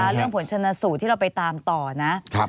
เรื่องผลชนสูตรที่เราไปตามต่อนะ